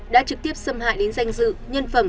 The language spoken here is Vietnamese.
đã trực tiếp xâm hại đến danh dự nhân phẩm